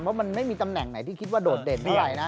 เพราะมันไม่มีตำแหน่งไหนที่คิดว่าโดดเด่นเท่าไหร่นะ